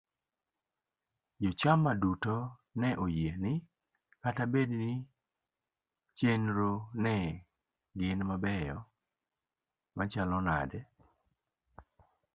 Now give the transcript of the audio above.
jochama duto ne oyie ni kata bed ni chenrogo ne gin mabeyo machalo nade.